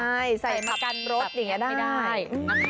ใช่ใส่มับกันรถอย่างนี้ได้